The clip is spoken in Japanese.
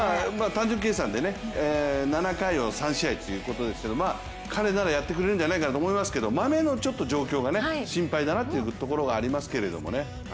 単純計算で７回を３試合ということですけれども彼ならやってくれるんじゃないかなと思いますけどマメの状況がちょっと心配だなというところがありますけれども。